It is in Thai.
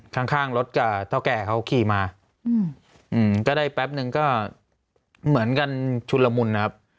ข้างข้างรถกับเท่าแก่เขาขี่มาก็ได้แป๊บนึงก็เหมือนกันชุดละมุนนะครับ